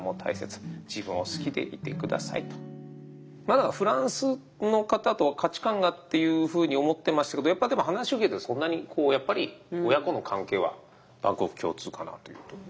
だからフランスの方とは価値観がっていうふうに思ってましたけどやっぱでも話を聞いてそんなにこうやっぱり親子の関係は万国共通かなというところです。